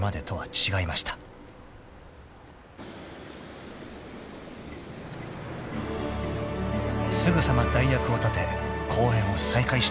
［すぐさま代役を立て公演を再開したのです］